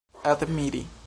admiri